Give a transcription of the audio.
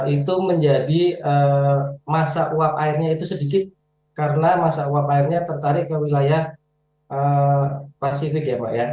itu menjadi masa uap airnya itu sedikit karena masa uap airnya tertarik ke wilayah pasifik ya pak ya